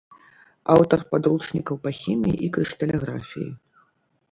Аўтар падручнікаў па хіміі і крышталяграфіі.